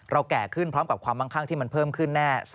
แก่ขึ้นพร้อมกับความมั่งข้างที่มันเพิ่มขึ้นแน่